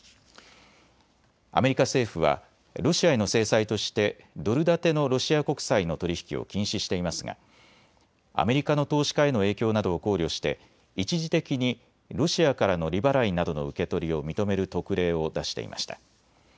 アメリカ政府はロシアへの制裁としてドル建てのロシア国債の取り引きを禁止していますがアメリカの投資家への影響などを考慮して一時的にロシアからの利払いなどの受け取りを認める特例を出していました。